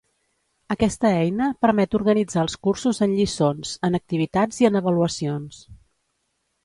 Aquesta eina permet organitzar els cursos en lliçons, en activitats i en avaluacions.